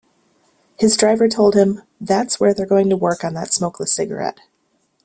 His driver told him, That's where they're going to work on that smokeless cigarette.